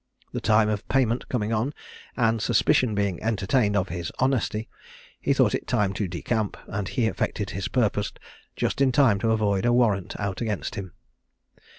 The time of payment coming on, and suspicion being entertained of his honesty, he thought it time to decamp, and he effected his purpose just in time to avoid a warrant out against him.